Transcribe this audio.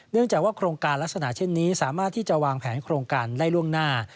เนื่องจากว่าโครงการลักษณะเช่นนี้สามารถที่จะวางแผนโครงการได้ล่วงหน้า